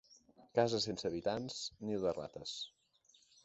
Casa sense habitants, niu de rates.